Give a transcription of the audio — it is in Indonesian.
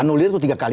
anulir itu tiga kali